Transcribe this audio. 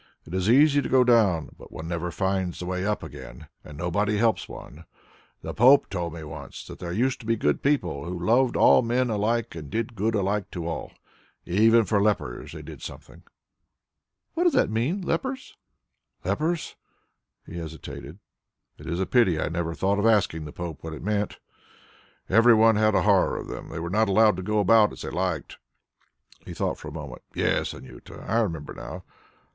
It is easy to go down, but one never finds the way up again, and nobody helps one. The Pope told me once that there used to be good people who loved all men alike and did good alike to all. Even for lepers they did something." [Footnote 2: Village priest.] "What does that mean 'lepers'?" "Lepers?" He hesitated. "It is a pity I never thought of asking the Pope what it meant. Every one had a horror of them. They were not allowed to go about as they liked." He thought for a moment. "Yes, Anjuta, I remember now.